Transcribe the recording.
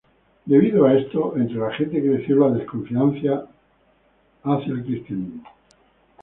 Debido a esto entre la gente creció la desconfianza hacia el Cristianismo.